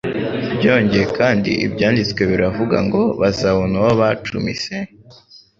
byongeye kandi Ibyanditswe biravuga ngo: "Bazabona uwo bacumise.""